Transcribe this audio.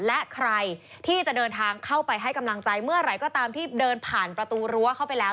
และใครที่จะเดินทางเข้าไปให้กำลังใจเมื่อไหร่ก็ตามที่เดินผ่านประตูรั้วเข้าไปแล้ว